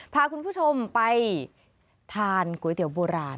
พาคุณผู้ชมไปทานก๋วยเตี๋ยวโบราณ